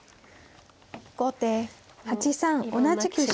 後手８三同じく飛車。